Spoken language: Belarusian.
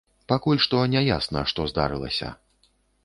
Пакуль што не ясна, што здарылася.